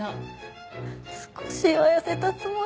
少しは痩せたつもり